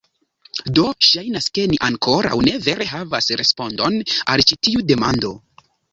Do ŝajnas ke ni ankoraŭ ne vere havas respondon al ĉi tiu demando